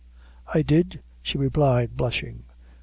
"I did," she replied, blushing.